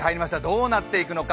どうなっていくのか。